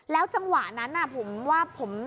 จังหวะนั้นผมว่าผม